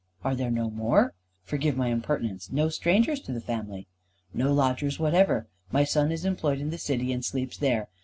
"Are there no more? Forgive my impertinence. No strangers to the family?" "No lodgers whatever. My son is employed in the City, and sleeps there.